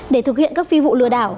để thực hiện các phi vụ lừa đảo